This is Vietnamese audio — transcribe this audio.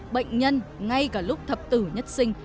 bệnh nhân ngay cả lúc thập tử nhất sinh